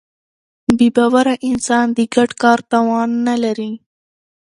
بېباوره انسان د ګډ کار توان نهلري.